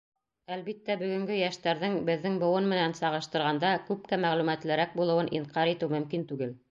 Әлбиттә, бөгөнгө йәштәрҙең, беҙҙең быуын менән сағыштырғанда, күпкә мәғлүмәтлерәк булыуын инҡар итеү мөмкин түгел.